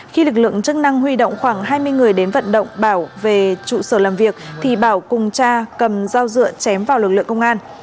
khi lực lượng chức năng huy động khoảng hai mươi người đến vận động bảo về trụ sở làm việc thì bảo cùng cha cầm dao dựa chém vào lực lượng công an